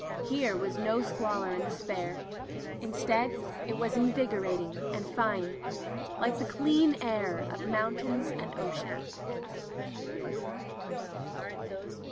Here was no squalor and despair. Instead it was invigor ating and fine, like the clean air of moun tains and oceans.